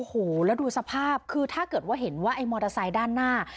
โอ้โหแล้วดูสภาพคือถ้าเกิดว่าเห็นว่าไอ้มอเตอร์ไซค์ด้านหน้า